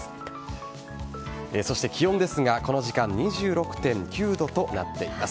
そして、気温ですがこの時間２６．９度となっています。